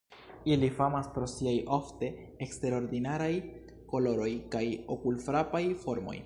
Ili famas pro siaj ofte eksterordinaraj koloroj kaj okulfrapaj formoj.